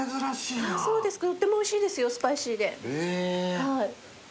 とってもおいしいですよスパイシーで。